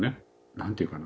何て言うかな。